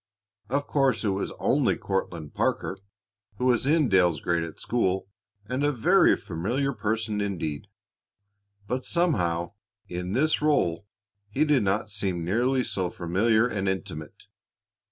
Of course it was only Courtlandt Parker, who was in Dale's grade at school and a very familiar person indeed. But somehow, in this rôle, he did not seem nearly so familiar and intimate.